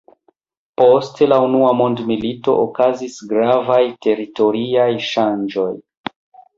Post la unua mondmilito okazis gravaj teritoriaj ŝanĝoj.